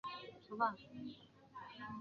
是桂林市重点中学之一。